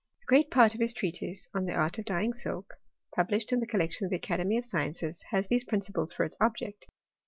A great part of his treatise on the art of dyeing silk, published in the collection of the Academy of Sciences, has these principles for its object.